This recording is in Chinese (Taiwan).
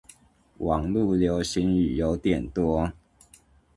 網路流行語有點多